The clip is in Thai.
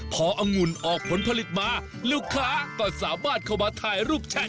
พออังุ่นออกผลผลิตมาลูกค้าก็สามารถเข้ามาถ่ายรูปแชท